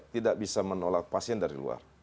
tidak bisa menolak pasien dari luar